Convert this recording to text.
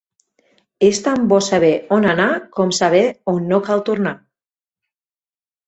És tan bo saber on anar com saber on no cal tornar.